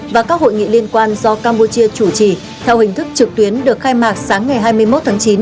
và các hội nghị liên quan do campuchia chủ trì theo hình thức trực tuyến được khai mạc sáng ngày hai mươi một tháng chín